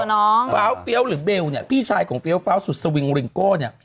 น้องฟ้าวเฟี้ยวหรือเบลเนี่ยพี่ชายของเฟี้ยวฟ้าวสุดสวิงริงโก้เนี่ย